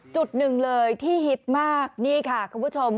จุดหนึ่งเลยที่ฮิตมากนี่ค่ะคุณผู้ชม